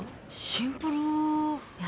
シンプルいや